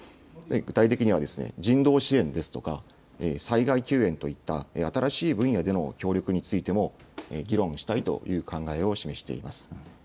具体的には、人道支援ですとか、災害救援といった新しい分野での協力についても議論したいという考えを示しています。